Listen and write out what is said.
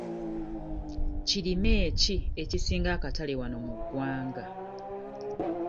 Kirime ki ekisinga akatale wano mu ggwanga?